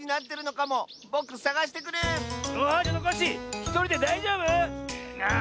ひとりでだいじょうぶ⁉ああ